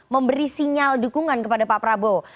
memberi sinyal dukungan kepada pak prabowo